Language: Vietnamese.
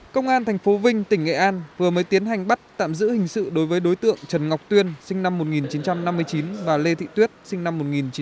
công an tp vinh tỉnh nghệ an vừa mới tiến hành bắt tạm giữ hình sự đối với đối tượng trần ngọc tuyên sinh năm một nghìn chín trăm năm mươi chín và lê thị tuyết sinh năm một nghìn chín trăm tám mươi